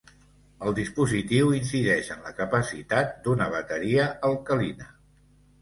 El dispositiu incideix en la capacitat d'una bateria alcalina.